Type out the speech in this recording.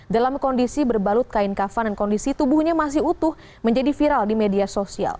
dalam kondisi berbalut kain kafan dan kondisi tubuhnya masih utuh menjadi viral di media sosial